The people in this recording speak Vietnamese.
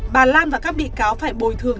bà lan và các bị cáo phải bồi thường